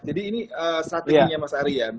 jadi ini strateginya mas ari ya